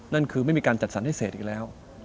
นั่นคือไม่มีการจัดสรรให้เศษอีกแล้ว